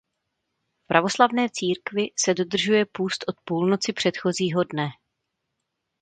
V pravoslavné církvi se dodržuje půst od půlnoci předchozího dne.